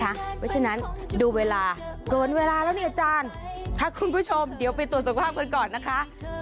เพราะฉะนั้นดูเวลาเกินเวลาแล้วเนี่ยอาจารย์พาคุณผู้ชมเดี๋ยวไปตรวจสุขภาพกันก่อนนะคะ